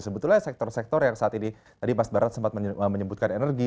sebetulnya sektor sektor yang saat ini tadi mas barat sempat menyebutkan energi